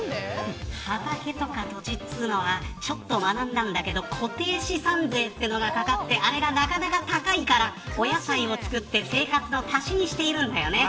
畑とか土地っていうのは学んだんだけど固定資産税ってのがかかってなかなか高いから、お野菜を作って足しにしてるんだよね。